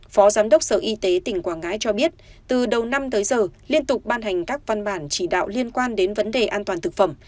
phó giám đốc sở y tế tỉnh quảng ngãi cho biết từ đầu năm tới giờ liên tục ban hành các văn bản chỉ đạo liên quan đến vấn đề an toàn thực phẩm